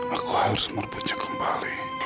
aku harus merpunyai kembali